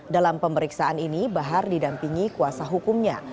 dalam pemeriksaan ini bahar didampingi kuasa hukumnya